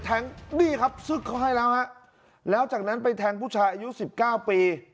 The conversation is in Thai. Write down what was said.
นี่ครับซึกเขาให้แล้วฮะแล้วจากนั้นไปแทงผู้ชายอายุสิบเก้าปี